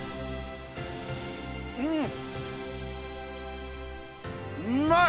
んうまい！